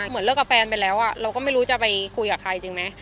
เหมือนเลิกกับแฟนไปแล้วเราก็ไม่รู้จะไปคุยกับใครจริงไหม